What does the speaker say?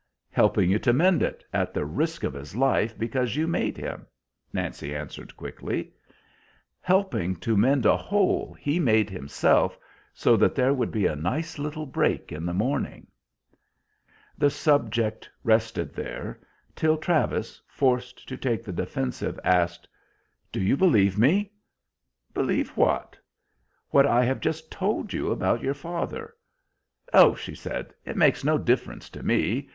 "Helping you to mend it, at the risk of his life, because you made him," Nancy answered quickly. "Helping to mend a hole he made himself, so there would be a nice little break in the morning." The subject rested there, till Travis, forced to take the defensive, asked: "Do you believe me?" "Believe what?" "What I have just told you about your father?" "Oh," she said, "it makes no difference to me.